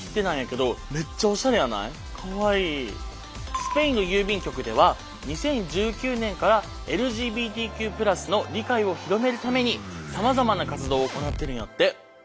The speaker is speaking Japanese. スペインの郵便局では２０１９年からＬＧＢＴＱ＋の理解を広めるためにさまざまな活動を行ってるんやって！